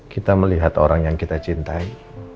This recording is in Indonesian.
kita melihat orang yang kita cintai